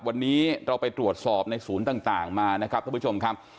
วันนี้เราไปตรวจสอบในศูนย์ต่างมานะครับท่านผู้ชมครับ